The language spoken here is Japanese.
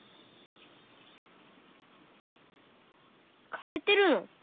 かれてるの？